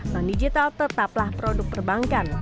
non digital tetaplah produk perbankan